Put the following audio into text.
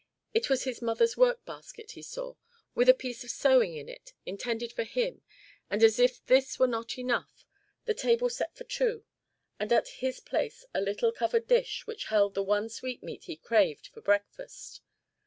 It was his mother's work basket he saw, with a piece of sewing in it intended for him, and as if this were not enough, the table set for two, and at his place a little covered dish which held the one sweetmeat he craved for breakfast.